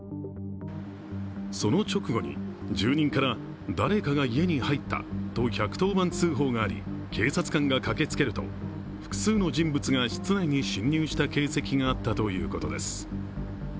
その直後に住人から、誰かが家に入ったと１１０番通報があり警察官が駆けつけると、複数の人物が室内に侵入した形跡があったということです。